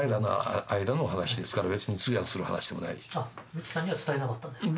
三木さんには伝えなかったんですか？